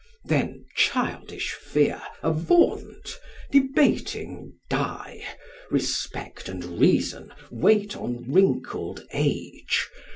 'Then, childish fear, avaunt! debating, die! Respect and reason, wait on wrinkled age!